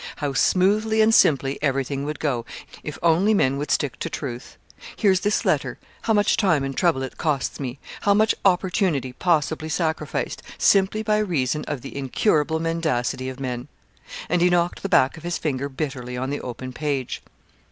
'How smoothly and simply everything would go, if only men would stick to truth! Here's this letter how much time and trouble it costs me how much opportunity possibly sacrificed, simply by reason of the incurable mendacity of men.' And he knocked the back of his finger bitterly on the open page.